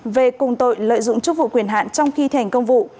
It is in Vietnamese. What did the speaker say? về cùng tội lợi dụng chức vụ quyền hạn trong khi thành công vụ